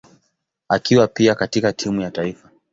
akiwa pia katika timu ya taifa.